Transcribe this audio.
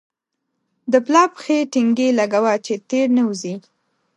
دا پلا پښې ټينګې لګوه چې تېر نه وزې.